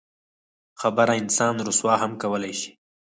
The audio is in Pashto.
خبره انسان رسوا هم کولی شي.